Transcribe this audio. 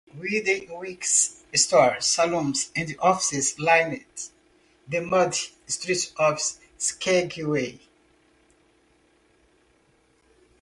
Within weeks, stores, saloons, and offices lined the muddy streets of Skagway.